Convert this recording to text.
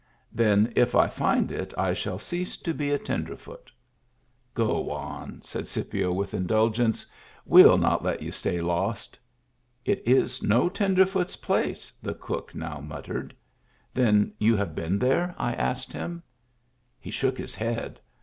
" Then if I find it I shall cease to be a tender foot." Digitized by Google THE GIFT HORSE i6i Go on," said Scipio, with indulgence. " We'll not let you stay lost." "It is no tenderfoot's place," the cook now muttered. Then you have been there ?'* I asked him. He shook his head.